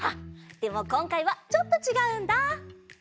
でもこんかいはちょっとちがうんだ。